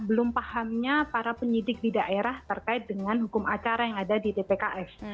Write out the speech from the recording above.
belum pahamnya para penyidik di daerah terkait dengan hukum acara yang ada di tpks